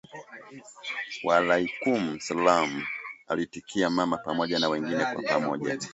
"Waalaikum salam!" Aliitikia mama pamoja na mgeni kwa pamoja